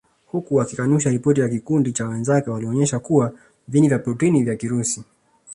Huku wakikanusha ripoti ya kikundi cha wenzake walionyesha kuwa viini vya protini vya virusi